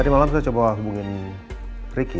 tadi malam saya coba hubungin ricky